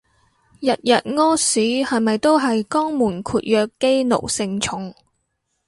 日日屙屎係咪都係肛門括約肌奴性重